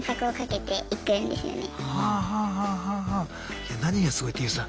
いや何がすごいってＹＯＵさん